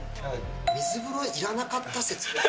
水風呂いらなかった説。